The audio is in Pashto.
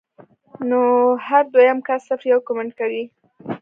نو هر دويم کس صرف يو کمنټ کوي